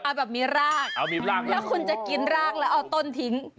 เอาแบบมีรากแล้วคุณจะกินรากแล้วเอาต้นทิ้ง